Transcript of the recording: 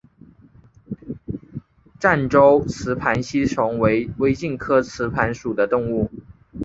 湛江雌盘吸虫为微茎科雌盘属的动物。